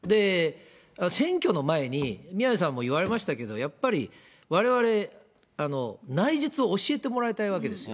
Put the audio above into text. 選挙の前に、宮根さんも言われましたけれども、やっぱりわれわれ、内実を教えてもらいたいわけですよ。